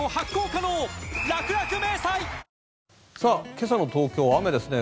今朝の東京、雨ですね。